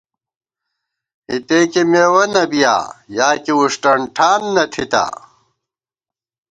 اِتے کی مېوَہ نہ بِیا، یا کی وُݭٹن ٹھان نہ تھِتا